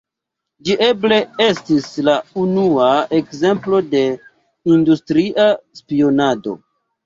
Ĝi eble estis la unua ekzemplo de industria spionado.